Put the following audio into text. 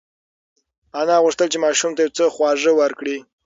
انا غوښتل چې ماشوم ته یو څه خواږه ورکړي.